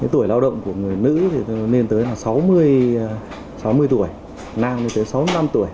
tuổi lao động của người nữ thì nên tới sáu mươi tuổi nam nên tới sáu mươi năm tuổi